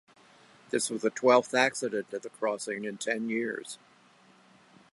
This was the twelfth accident at the crossing in ten years.